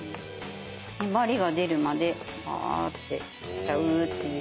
ねばりが出るまでバーッて切っちゃうっていう。